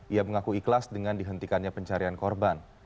ia mengaku ikhlas dengan dihentikannya pencarian korban